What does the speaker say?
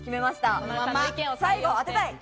最後、当てたい。